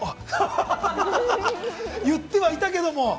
◆あ、言ってはいたけども。